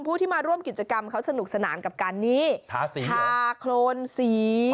ผู้ที่มาร่วมกิจกรรมเขาสนุกสนานกับการนี้ทาสีทาโครนสี